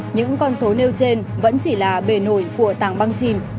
những con số nêu trên vẫn chỉ là bề nổi của tàng băng chim